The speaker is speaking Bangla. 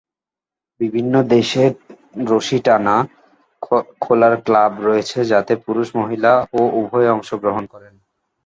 বিভিন্ন দেশে রশি টানা খেলার ক্লাব রয়েছে যাতে পুরুষ ও মহিলা উভয়েই অংশগ্রহণ করে।